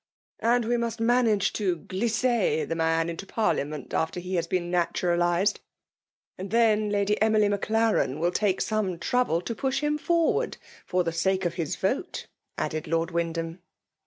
And we nmst manage to glisser the man mto parliament after he has been naturalized; and then Lady Emily Maclaren will take some trouble to push him forward, for the sake of his vote," added Lord Wyndham.